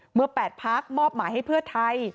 เมื่อ๘พักมอบหมายให้เพื่อไทย